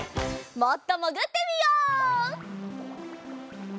もっともぐってみよう！